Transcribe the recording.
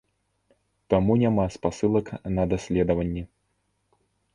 Таму няма спасылак на даследаванні.